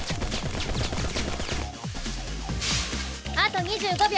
あと２５秒！